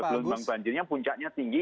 lumbang banjirnya puncaknya tinggi